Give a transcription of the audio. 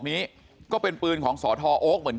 ทำให้สัมภาษณ์อะไรต่างนานไปออกรายการเยอะแยะไปหมด